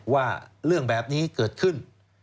ว่าเรื่องแบบนี้เกิดขึ้น